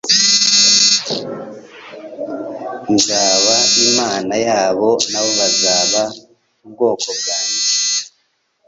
Nzaba Imana yabo na bo bazaba ubwoko bwanjye.